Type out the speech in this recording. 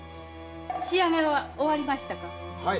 仕上げは終わりましたか？